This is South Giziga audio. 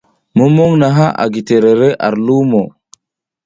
Mumuƞ naƞʼha a gi terere aƞ lumo.